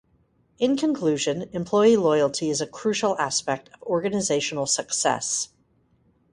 In conclusion, employee loyalty is a crucial aspect of organizational success.